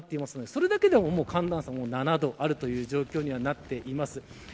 それだけでも寒暖差は７度ある状況になっています。